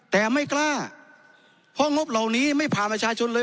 แต่ไม่กล้าเพราะงบเหล่านี้ไม่ผ่านประชาชนเลย